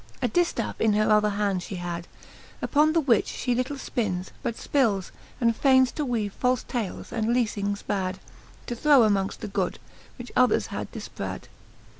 A diftaffe in her other hand fhe had, Upon the which fhe little ipinnes, but fpils, And faynes to weave falfe tales and leafings bad^ To throw amongft the good, which others had diiprad.